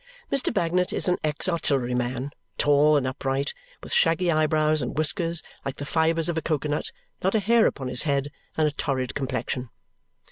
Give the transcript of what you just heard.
Mr. Bagnet is an ex artilleryman, tall and upright, with shaggy eyebrows and whiskers like the fibres of a coco nut, not a hair upon his head, and a torrid complexion.